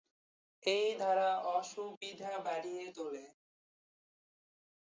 এই ধারা অসুবিধা বাড়িয়ে তোলে।